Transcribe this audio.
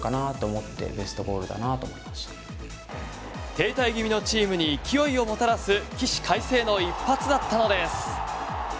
停滞気味のチームに勢いをもたらす起死回生の一発だったのです。